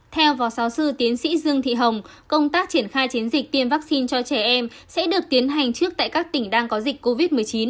theo phó giáo sư tiến sĩ dương thị hồng công tác triển khai chiến dịch tiêm vaccine cho trẻ em sẽ được tiến hành trước tại các tỉnh đang có dịch covid một mươi chín